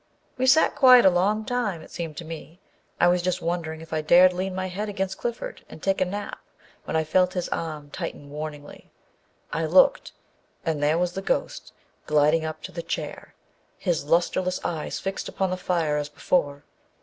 We sat quiet a long time, it seemed to me. I was just wondering if I dared lean my head against Clifford and take a nap when I felt his arm tighten warningly. I looked, and there was the ghost gliding up to the chair, his lustreless eyes fixed upon the fire as before.